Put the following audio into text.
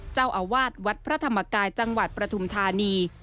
เจ้าอาวาสวัดพระธรรมกายจังหวัดปฐุมธานี